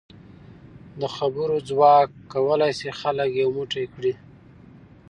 د خبرو ځواک کولای شي خلک یو موټی کړي.